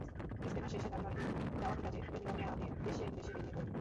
ইজতেমা শেষে তাঁদের অনেকেই দাওয়াতি কাজে বিভিন্ন মেয়াদে দেশে-বিদেশে বেরিয়ে পড়বেন।